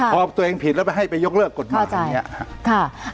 พอตัวเองผิดแล้วให้ไปยกเลิกกฎหมาย